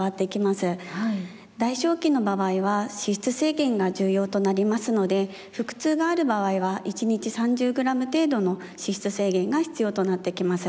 代償期の場合は脂質制限が重要となりますので腹痛がある場合は１日３０ｇ程度の脂質制限が必要となってきます。